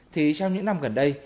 thì trong những năm gần đây